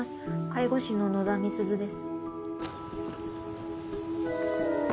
介護士の野田美鈴です。